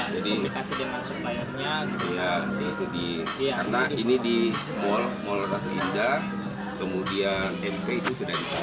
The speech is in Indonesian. jadi saya minta tolong kerja sama kita